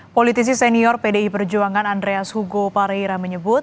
politisi senior pdi perjuangan andreas hugo pareira menyebut